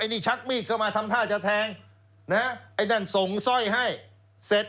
นี่ชักมีดเข้ามาทำท่าจะแทงนะไอ้นั่นส่งสร้อยให้เสร็จ